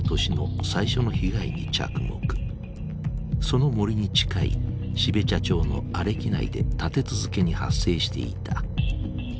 その森に近い標茶町の阿歴内で立て続けに発生していた。